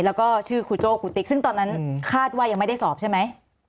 แล้วก็ชื่อครูโจ้ครูติ๊กซึ่งตอนนั้นคาดว่ายังไม่ได้สอบใช่ไหม